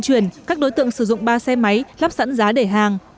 chuyển các đối tượng sử dụng ba xe máy lắp sẵn giá để hàng